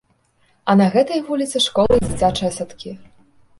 А на гэтай вуліцы школы і дзіцячыя садкі.